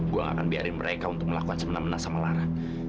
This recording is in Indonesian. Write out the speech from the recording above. gue gak akan biarin mereka untuk melakukan semena mena sama lara